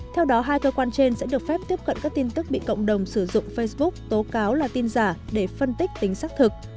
theo đó hai cơ quan trên sẽ được phép tiếp cận các tin tức bị cộng đồng sử dụng facebook tố cáo là tin giả để phân tích tính xác thực